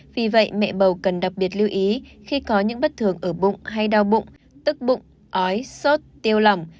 vì vậy mẹ bầu cần đặc biệt lưu ý khi có những bất thường ở bụng hay đau bụng tức bụng ói sốt tiêu lỏng